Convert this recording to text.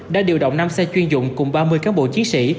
đã điều động năm xe chuyên dụng cùng ba mươi cán bộ chiến sĩ